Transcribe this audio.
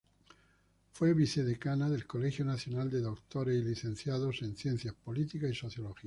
Fue vicedecana del Colegio Nacional de Doctores y Licenciados en Ciencias Políticas y Sociología.